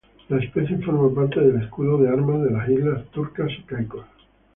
La especie forma parte del escudo de armas de las Islas Turcas y Caicos.